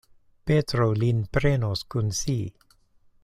Petro lin prenos kun si.